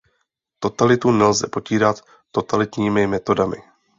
Totalitu nelze potírat totalitními metodami.